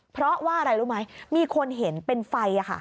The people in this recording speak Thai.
เพราะว่าอะไรรู้ไหมมีคนเห็นเป็นไฟ